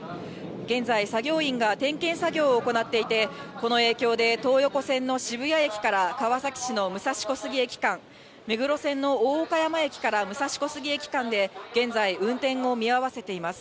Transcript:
現在、作業員が点検作業を行っていて、この影響で、東横線の渋谷駅から川崎市の武蔵小杉駅間、目黒線の大岡山駅から武蔵小杉駅間で、現在、運転を見合わせています。